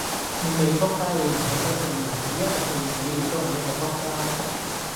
你未仆街你唔做得聖人，你一日未死你都係一個仆街。